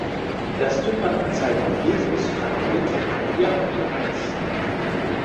Das Tympanon zeigt Jesus, flankiert von Maria und Johannes.